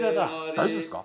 大丈夫ですか？